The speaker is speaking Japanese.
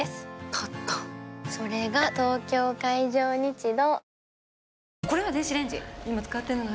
立ったそれが東京海上日動